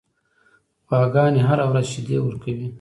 غواګانې هره ورځ شیدې ورکوي.